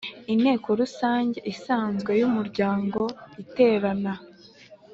Inteko rusange isanzwe y umuryango iterana